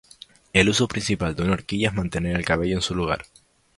El uso principal de una horquilla es mantener el cabello en su lugar.